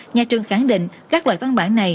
nhà trường khẳng định các loại văn bản này